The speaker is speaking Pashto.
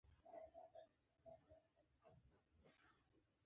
د بامیانو په غونډیو کې سایکل ځغلول کیږي.